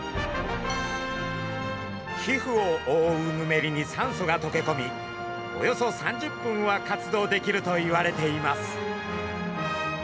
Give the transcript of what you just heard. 皮膚をおおうヌメリに酸素がとけこみおよそ３０分は活動できるといわれています。